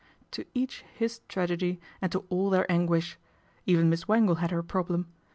To each his tragedy and to all their anguish. Even Miss Wangle had her problem.